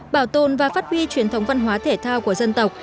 bảo tồn và phát huy truyền thống văn hóa thể thao của dân tộc